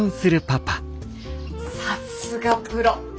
さすがプロ！